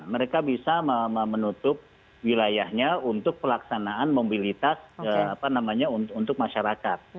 mereka bisa menutup wilayahnya untuk pelaksanaan mobilitas untuk masyarakat